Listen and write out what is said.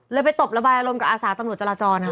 ไปตบระบายอารมณ์กับอาสาตำรวจจราจรค่ะ